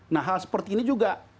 nah hal seperti ini juga